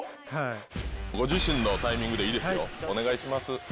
ご自身のタイミングでいいですよお願いします。